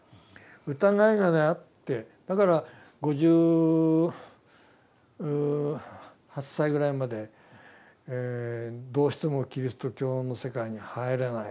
疑いがねあってだから５８歳ぐらいまでどうしてもキリスト教の世界に入れない。